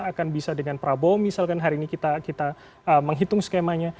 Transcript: akan bisa dengan prabowo misalkan hari ini kita menghitung skemanya